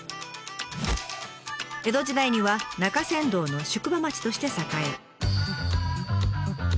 江戸時代には中山道の宿場町として栄え。